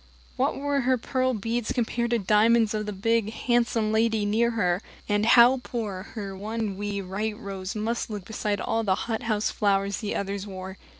What were her pearl beads compared to the diamonds of the big, handsome lady near her? And how poor her one wee white rose must look beside all the hothouse flowers the others wore!